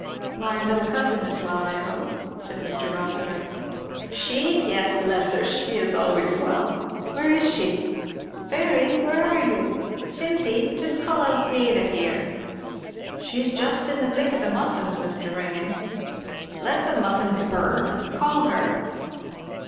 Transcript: "My little cousin is well, I hope," said Mr. Rossitur. "She? yes, bless her I she is always well. Where is she? Fairy, where are you? Cynthy, just call Elfieda here." "She's just in the thick of the muffins, Mr. Ringgan." "Let the muffins burn! Call her."